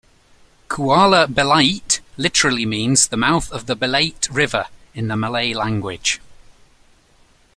"Kuala Belait" literally means "the mouth of the Belait River" in the Malay language.